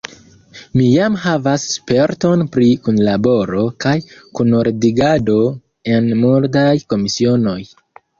Mi jam havas sperton pri kunlaboro kaj kunordigado en multaj komisionoj.